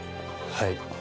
はい。